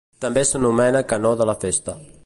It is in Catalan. També s'anomena Canó de la Festa.